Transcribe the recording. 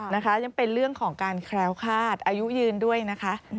นะคะยังเป็นเรื่องของการแคล้วคาดอายุยืนด้วยนะคะ